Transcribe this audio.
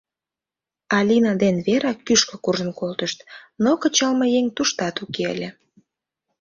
Алина ден Вера кӱшкӧ куржын колтышт, но кычалме еҥ туштат уке ыле.